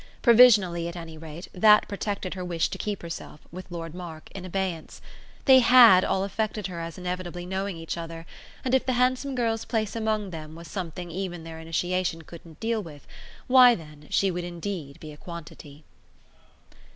Provisionally, at any rate, that protected her wish to keep herself, with Lord Mark, in abeyance. They HAD all affected her as inevitably knowing each other, and if the handsome girl's place among them was something even their initiation couldn't deal with why then she would indeed be a quantity.